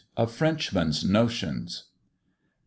A Frenchman's Notions. DR.